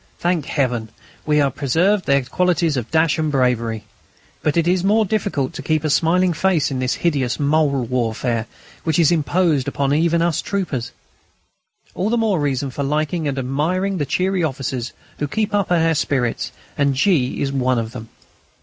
Thank Heaven! we have preserved their qualities of dash and bravery. But it is more difficult to keep a smiling face in this hideous mole warfare, which is imposed even upon us troopers. All the more reason for liking and admiring the cheery officers who keep our spirits up, and G. is one of them.